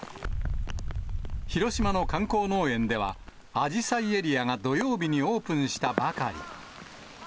広島の観光農園では、あじさいエリアが土曜日にオープンしたばかり。